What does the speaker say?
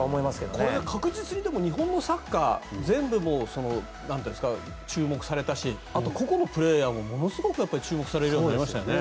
これで確実に日本のサッカー全部、注目されたしあと個々のプレーヤーもものすごく注目されるようになりましたよね。